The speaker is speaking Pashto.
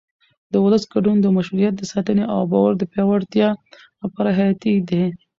د ولس ګډون د مشروعیت د ساتنې او باور د پیاوړتیا لپاره حیاتي دی